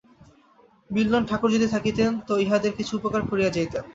বিল্বন ঠাকুর যদি থাকিতেন তো ইহাদের কিছু উপকার করিয়া যাইতেন।